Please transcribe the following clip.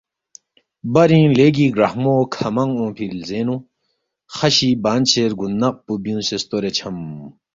برینگ لیگی گراہمو کھہ منگ اونگفی لزینگنو، خشی بانشے رگون نق پو بیونگسے ستورے چھم